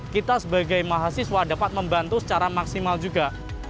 kita sebagai mahasiswa dapat membantu secara maksimal juga